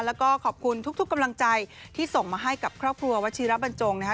แล้วก็ขอบคุณทุกกำลังใจที่ส่งมาให้กับครอบครัววัชิระบรรจงนะคะ